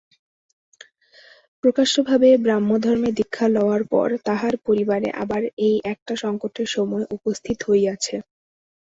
প্রকাশ্যভাবে ব্রাহ্মধর্মে দীক্ষা লওয়ার পর তাঁহার পরিবারে আবার এই একটা সংকটের সময় উপস্থিত হইয়াছে।